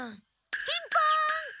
ピンポン！